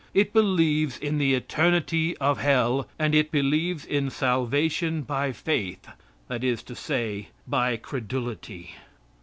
It believes in the eternity of Hell, and it believes in salvation by faith; that is to say, by credulity.